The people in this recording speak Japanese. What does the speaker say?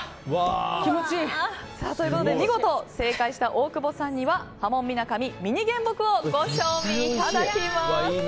見事正解した大久保さんにははもんみなかみミニ原木をご賞味いただきます。